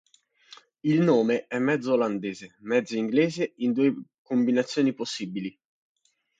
Il nome è mezzo olandese, mezzo inglese, in due combinazioni possibili.